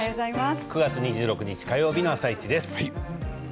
９月２６日火曜日の「あさイチ」です。